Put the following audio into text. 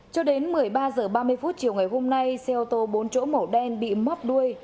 cho đến một mươi ba h ba mươi chiều ngày hôm nay xe ô tô bốn chỗ màu đen bị móc đuôi